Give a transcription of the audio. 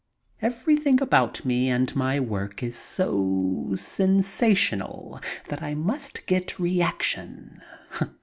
Every thing about me and my work is so sensational that I must get reaction.